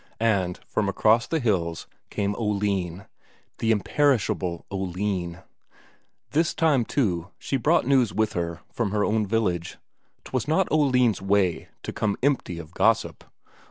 And from across the hills came Oline, the imperishable Oline. This time, too, she brought news with her from her own village; 'twas not Oline's way to come empty of gossip.